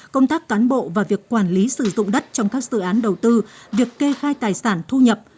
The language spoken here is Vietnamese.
công tác cán bộ và việc quản lý sử dụng đất trong các dự án đầu tư việc kê khai tài sản thu nhập